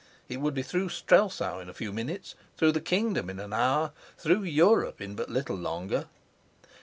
It would be through Strelsau in a few minutes, through the kingdom in an hour, through Europe in but little longer.